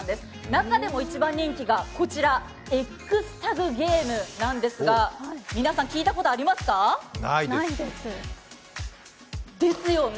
中でも一番人気がこちらＸＴＡＧＧＡＭＥなんですが皆さん、聞いたことありますか？ですよね。